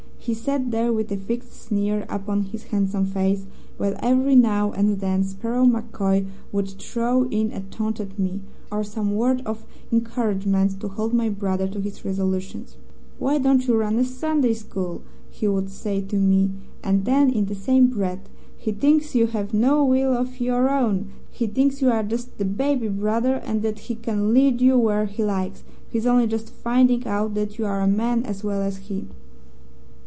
He sat there with a fixed sneer upon his handsome face, while every now and then Sparrow MacCoy would throw in a taunt at me, or some word of encouragement to hold my brother to his resolutions. "'Why don't you run a Sunday school?' he would say to me, and then, in the same breath: 'He thinks you have no will of your own. He thinks you are just the baby brother and that he can lead you where he likes. He's only just finding out that you are a man as well as he.'